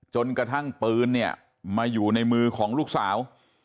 จนกระทั่งปืนเนี่ยมาอยู่ในมือของลูกสาว